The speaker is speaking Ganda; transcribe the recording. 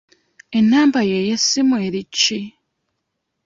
Ennamba yo ey'essimu eri ki?